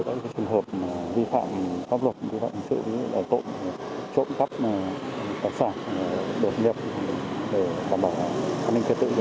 các trường hợp vi phạm pháp luật sự tội trộm khắp tạp sản đột nghiệp để đảm bảo an ninh trật tự